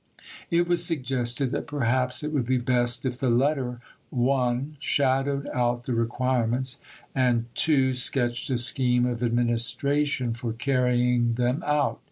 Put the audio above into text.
It was suggested that perhaps it would be best if the letter (1) shadowed out the requirements and (2) sketched a scheme of administration for carrying them out.